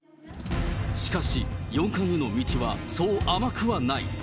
しかし、四冠への道はそう甘くはない。